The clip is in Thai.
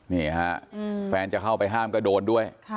นี่ฮะแฟนจะเข้าไปห้ามก็โดนด้วย